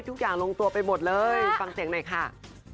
ทุกอย่างลงตัวไปหมดเลยฟังเสียงหน่อยค่ะ